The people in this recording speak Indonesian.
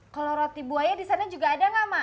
kalo roti buaya disana juga ada gak mbak